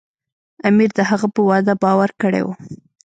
امیر د هغه په وعده باور کړی و.